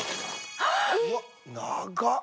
うわ長っ！